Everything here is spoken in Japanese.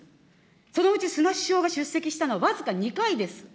そのうち菅首相が出席したのは僅か２回です。